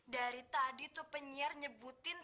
dari tadi tuh penyiar nyebutin